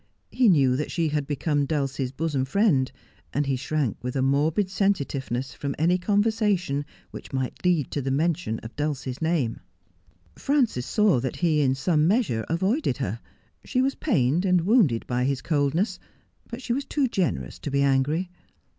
He knew that she had become Dulcie's bosom 2S8 Just as I Am. friend, and he shrank with a morbid sensitiveness from any conversation which might lead to the mention of Dulcie's name. Frances saw that he in some measure avoided her. She was pained and wounded by his coolness, but she was too generous to be angry.